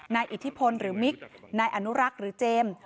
อิทธิพลหรือมิกนายอนุรักษ์หรือเจมส์